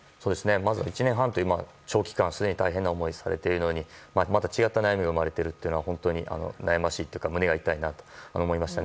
まずは１年半という長期間大変な思いをされているのにまた違った悩みが生まれているというのは胸が痛いなと思いました。